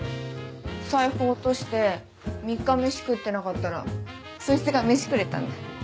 財布落として３日飯食ってなかったらそいつが飯くれたんだよ。